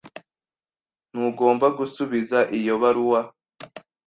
Ntugomba gusubiza iyo baruwa.